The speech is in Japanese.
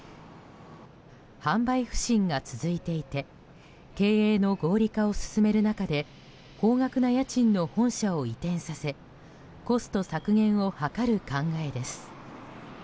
販売不振が続いていて経営の合理化を進める中で高額な家賃の本社を移転させコスト削減を図る考えです。